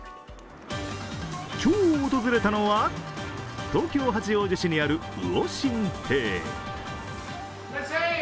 今日訪れたのは東京・八王子市にある魚心亭。